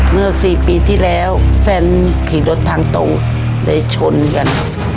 เมื่อ๔ปีที่แล้วแฟนขี่รถทางตรงได้ชนกันครับ